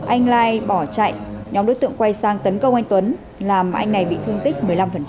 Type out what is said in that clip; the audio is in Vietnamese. anh lai bỏ chạy nhóm đối tượng quay sang tấn công anh tuấn làm anh này bị thương tích một mươi năm